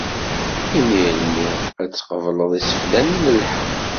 Imir-nni ad d-tqebleḍ iseflen n lḥeqq.